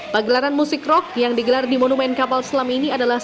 pagelaran musik rock yang digelar di monumen kapal selam ini adalah